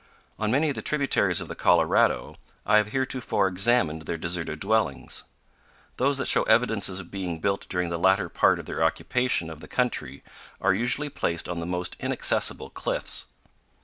On many of the tributaries of the Colorado, I have heretofore examined their deserted dwellings. Those that show evidences of being built during the latter part of their occupation of the country are usually placed on the most inaccessible cliffs.